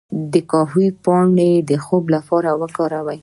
د کاهو پاڼې د خوب لپاره وکاروئ